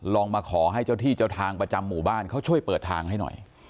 มาขอให้เจ้าที่เจ้าทางประจำหมู่บ้านเขาช่วยเปิดทางให้หน่อย